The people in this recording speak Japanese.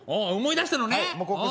思い出したのね。